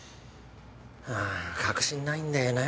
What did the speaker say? ああ確信ないんだよな。